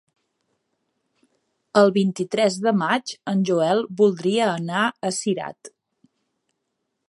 El vint-i-tres de maig en Joel voldria anar a Cirat.